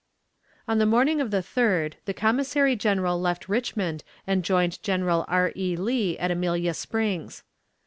On the morning of the 3d the Commissary General left Richmond and joined General R. E. Lee at Amelia Springs.